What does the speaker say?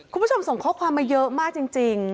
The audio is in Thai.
คุณผู้ชมส่งข้อความมาเยอะมากจริง